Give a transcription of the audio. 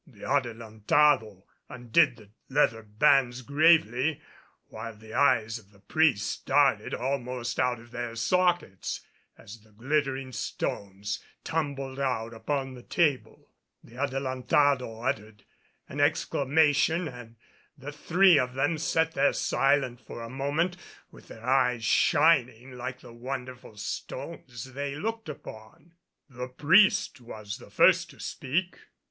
The Adelantado undid the leather bands gravely, while the eyes of the priest started almost out of their sockets as the glittering stones tumbled out upon the table. The Adelantado uttered an exclamation and the three of them sat there silent for a moment, with their eyes shining like the wonderful stones they looked upon. The priest was the first to speak.